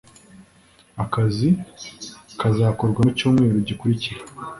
akazi kazakorwa mu cyumweru gikurikira